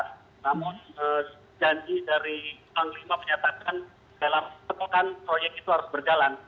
namun janji dari panglima menyatakan dalam sepekan proyek itu harus berjalan